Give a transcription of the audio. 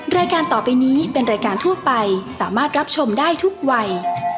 รายการต่อไปนี้เป็นรายการทั่วไปสามารถรับชมได้ทุกวัย